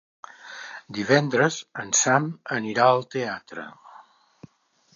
Divendres en Sam anirà al teatre.